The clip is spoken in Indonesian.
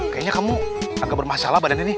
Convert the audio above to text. kayaknya kamu agak bermasalah badan ini